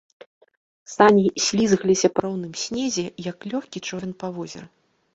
Сані слізгаліся па роўным снезе, як лёгкі човен на возеры.